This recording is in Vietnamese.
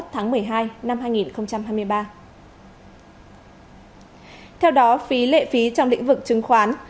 theo đó phí lệ phí trong lĩnh vực chứng khoán